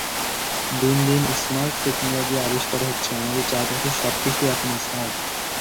দিন দিন smart technology আবিষ্কার হচ্ছে, আমাদের চারপাশের সবকিছুই এখন স্মার্ট।